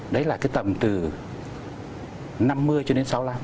đấy là cái tầm từ năm mươi cho đến sáu mươi năm